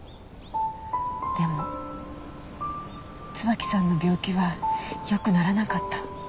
でも椿さんの病気はよくならなかった。